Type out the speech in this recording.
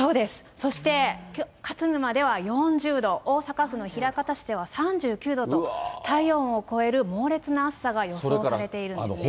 そして、勝沼では４０度、大阪府の枚方市では３９度と、体温を超える猛烈な暑さが予想されているんですね。